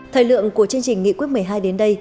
thời lượng của chương trình nghị quyết một mươi hai đến đây